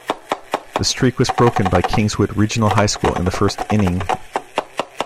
The streak was broken by Kingswood Regional High School in the first inning.